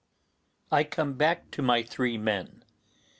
I come back to my three men.